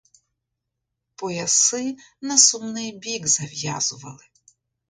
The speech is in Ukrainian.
Пояси на сумний бік зав'язували.